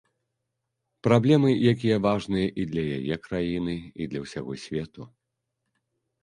Праблемы, якія важныя і для яе краіны, і для ўсяго свету.